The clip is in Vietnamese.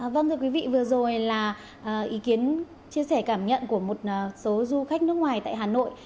vâng thưa quý vị vừa rồi là ý kiến chia sẻ cảm nhận của một số du khách nước ngoài tại hà nội